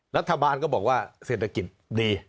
รัฐบาลก็บอกว่าเศรษฐกิจดี